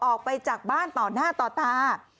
ออกไปจากบ้านต่อหน้าต่อตา